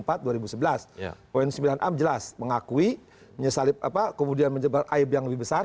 poin sembilan a jelas mengakui menyesalib kemudian menyebar aib yang lebih besar